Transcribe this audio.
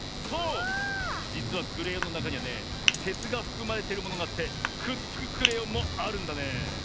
じつはクレヨンのなかにはねてつがふくまれてるものがあってくっつくクレヨンもあるんだね。